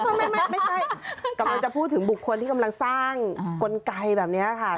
ไม่ใช่กำลังจะพูดถึงบุคคลที่กำลังสร้างกลไกแบบนี้ค่ะ